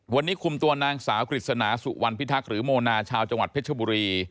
วันนี้คุมตัวนางสาวกฤษณาสุวรรณพิทักษ์หรือโมนาชาวจังหวัดเพชรบุรี